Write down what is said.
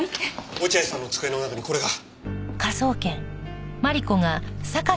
落合さんの机の中にこれが。